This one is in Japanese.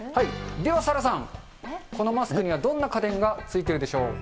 ではサラさん、このマスクにはどんな家電がついてるでしょうか。